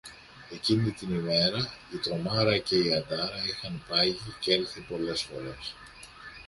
εκείνη την ημέρα η «Τρομάρα» και η «Αντάρα» είχαν πάγει κι έλθει πολλές φορές